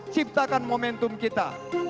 ciptakan momentum kita